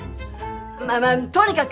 まあまあとにかく